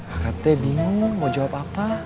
akang teh bingung mau jawab apa